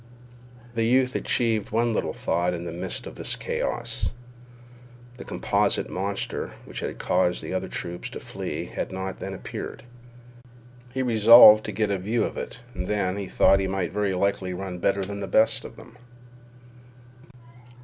The youth achieved one little thought in the midst of this chaos. The composite monster which had caused the other troops to flee had not then appeared. He resolved to get a view of it, and then, he thought he might very likely run better than the best of them.